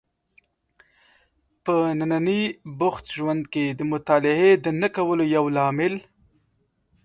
په ننني بوخت ژوند کې د مطالعې د نه کولو یو لامل